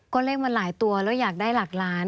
ก็เลขมันหลายตัวแล้วอยากได้หลักล้าน